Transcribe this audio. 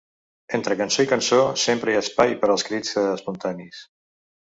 Entre cançó i cançó sempre hi ha espai per als crits espontanis.